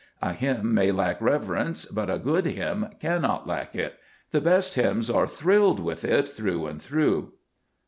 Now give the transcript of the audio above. A hymn may lack reverence, but a good hymn cannot lack it. The best hymns are thrilled with it through and through.